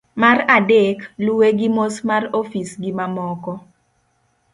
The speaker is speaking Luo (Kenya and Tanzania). mar adek, luwe gi mos mar ofis gimamoko